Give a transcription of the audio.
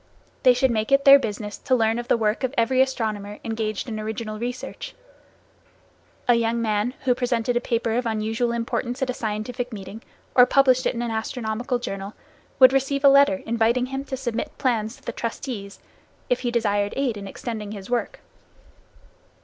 They should make it their business to learn of the work of every astronomer engaged in original research. A young man who presented a paper of unusual importance at a scientific meeting, or published it in an astronomical journal, would receive a letter inviting him to submit plans to the trustees, if he desired aid in extending his work.